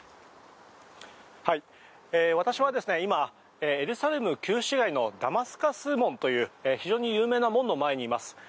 私は今エルサレム旧市街のダマスカス門という非常に有名な門の前にいます。